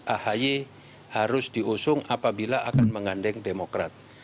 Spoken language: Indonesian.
ahy harus diusung apabila akan mengandeng demokrat